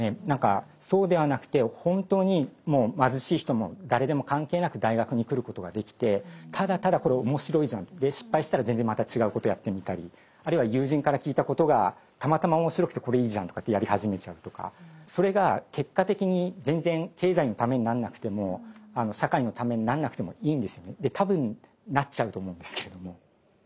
何かそうではなくて本当に貧しい人も誰でも関係なく大学に来ることができてただただこれ面白いじゃん失敗したら全然また違うことやってみたりあるいは友人から聞いたことがたまたま面白くてこれいいじゃんとかってやり始めちゃうとかそれが結果的に全然経済のためになんなくても社会のためになんなくてもいいんですよね。多分なっちゃうと思うんですけれども。